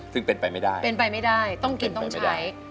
ซึ่งเป็นไปไม่ได้ต้องกินต้องใช้